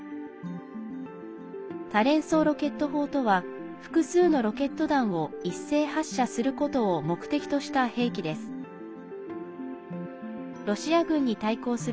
多連装ロケット砲とは複数のロケット弾を一斉発射することを目的とした兵器です。